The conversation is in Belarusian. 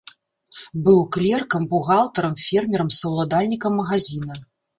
Быў клеркам, бухгалтарам, фермерам, саўладальнікам магазіна.